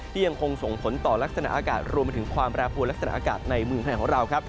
ยังคงส่งผลต่อลักษณะอากาศรวมไปถึงความแปรปวดลักษณะอากาศในเมืองไทยของเราครับ